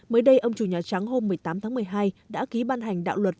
mới đây ông chủ nhà trắng hôm một mươi tám tháng một mươi hai đã ký ban hành đạo luật